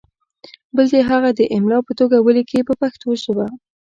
بل دې هغه د املا په توګه ولیکي په پښتو ژبه.